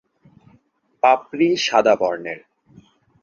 পাপড়ি সাদা বর্ণের।